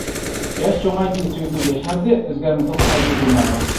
ياش چوڭايدى سۆيگۈ ياشاردى، ئۆزگەرمىدۇق قەلبى بىمارغا.